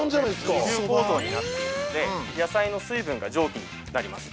◆二重構造になっているので野菜の水分が蒸気になります。